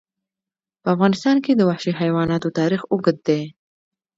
په افغانستان کې د وحشي حیواناتو تاریخ اوږد دی.